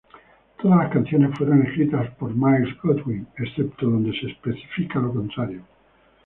Todas las canciones fueron escritas por Myles Goodwyn, excepto donde se especifica lo contrario.